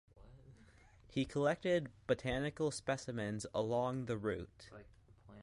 He collected botanical specimens along the route.